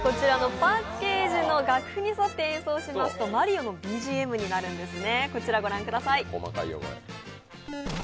パッケージの楽譜に沿って演奏しますとマリオのＢＧＭになるんですね。